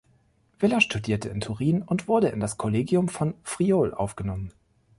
Villa studierte in Turin und wurde in das Kollegium von Friaul aufgenommen.